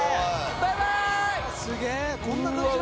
バイバイ！